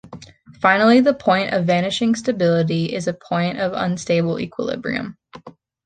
Finally, the point of vanishing stability is a point of unstable equilibrium.